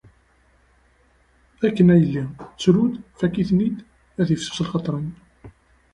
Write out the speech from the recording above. Akken a yelli, ttru-d, fakk-iten-id ad yifsus lxaṭer-im.